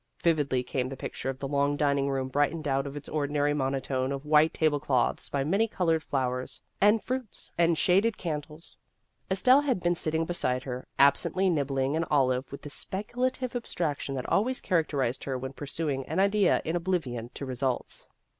Vividly came the picture of the long dining room brightened out of its ordinary monotone of white table cloths by many colored flowers and fruits and shaded candles. Estelle had been sitting beside her, absently nibbling an olive with the speculative abstraction that always characterized her when pursuing an idea in oblivion to results.